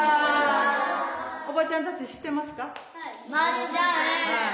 おばちゃんたち知ってますか？